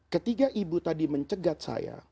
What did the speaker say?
ketika ibu tadi mencegat saya